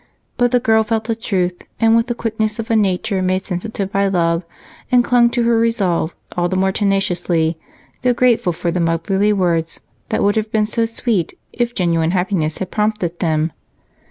But the girl felt the truth with the quickness of a nature made sensitive by love and clung to her resolve all the more tenaciously, though grateful for the motherly words that would have been so sweet if genuine happiness had prompted them.